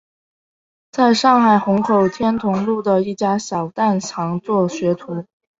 在上海虹口天潼路的一家小蛋行做学徒。